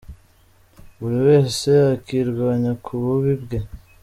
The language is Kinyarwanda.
Buri wese akirwanya ku bubi bwe.